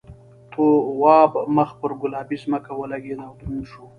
تواب مخ پر گلابي ځمکه ولگېد او دروند شو.